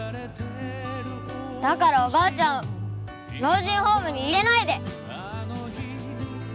だからおばあちゃんを老人ホームに入れないで！